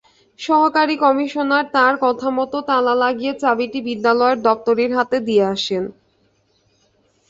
সহকারী কমিশনার তাঁর কথামতো তালা লাগিয়ে চাবিটি বিদ্যালয়ের দপ্তরির হাতে দিয়ে আসেন।